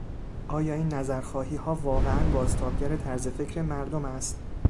آیا این نظرخواهیها واقعا بازتابگر طرز فکر مردم است؟